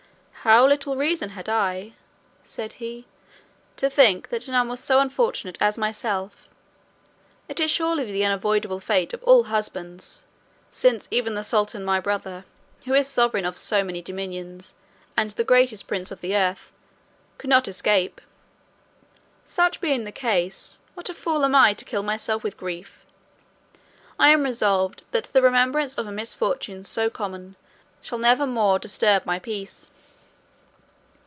"How little reason had I," said he, "to think that none was so unfortunate as myself? It is surely the unavoidable fate of all husbands, since even the sultan my brother, who is sovereign of so many dominions, and the greatest prince of the earth, could not escape. Such being the case, what a fool am I to kill myself with grief? I am resolved that the remembrance of a misfortune so common shall never more disturb my peace."